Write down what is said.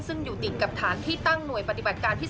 ซึ่งอยู่ติดกับฐานที่ตั้งหน่วยปฏิบัติการพิเศษ